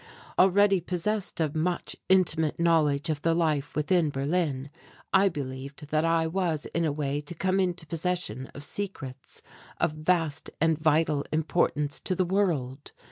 Already possessed of much intimate knowledge of the life within Berlin I believed that I was in a way to come into possession of secrets of vast and vital importance to the world.